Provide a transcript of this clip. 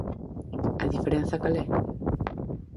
¿A diferenza cal é?